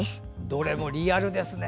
どれもリアルですね